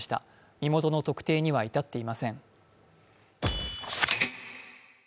身元の特定には至っていません。